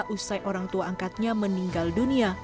usai orang tua angkatnya meninggal dunia